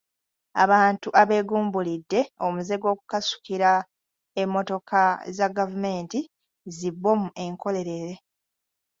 Abantu abeeguumbulidde omuze gw’okukasukira emmotoka za gavumenti zi bbomu enkolerere.